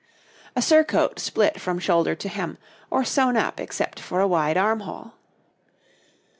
A surcoat split from shoulder to hem, or sewn up except for a wide armhole.